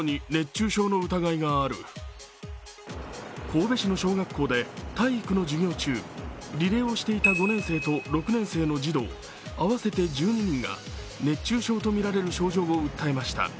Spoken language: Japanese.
神戸市の小学校で体育の授業中、リレーをしていた５年生と６年生の児童、合わせて１２人が熱中症とみられる症状を訴えました。